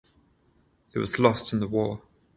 It was lost in the war.